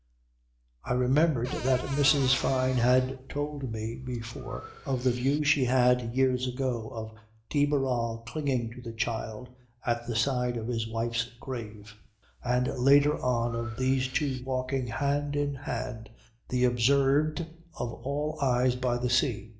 I remembered what Mrs. Fyne had told me before of the view she had years ago of de Barral clinging to the child at the side of his wife's grave and later on of these two walking hand in hand the observed of all eyes by the sea.